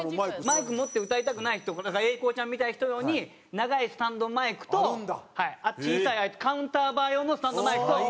マイク持って歌いたくない人英孝ちゃんみたいな人用に長いスタンドマイクと小さいカウンターバー用のスタンドマイクと。